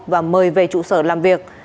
và mời về trụ sở làm việc